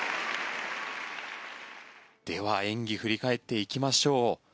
では演技を振り返っていきましょう。